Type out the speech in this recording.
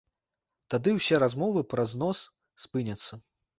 Тады усе размовы пра знос спыняцца.